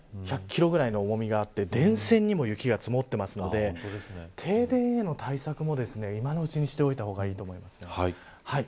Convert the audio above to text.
１００キロぐらいの重みがあって電線にも積もっていますので停電への対策も、今のうちにしておいた方がいいと思います。